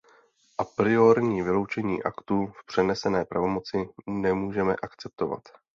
Apriorní vyloučení aktů v přenesené pravomoci nemůžeme akceptovat.